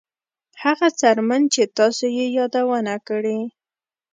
هغه څرمن چې تاسو یې یادونه کړې